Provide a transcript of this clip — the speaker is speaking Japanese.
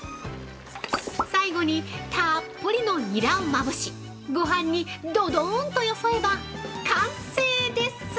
◆最後に、たーっぷりのニラをまぶし、ごはんに、どどーんとよそえば完成です！